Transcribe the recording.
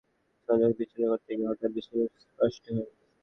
পানি দেওয়া শেষে বৈদ্যুতিক সংযোগ বিচ্ছিন্ন করতে গিয়ে হঠাৎ বিদ্যুৎস্পৃষ্ট হন।